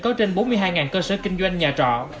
có trên bốn mươi hai cơ sở kinh doanh nhà trọ